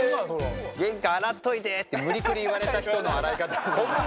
「玄関洗っといて」って無理くり言われた人の洗い方ですよね。